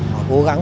họ cố gắng